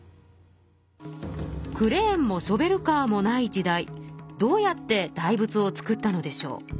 クレーンもショベルカーもない時代どうやって大仏を造ったのでしょう？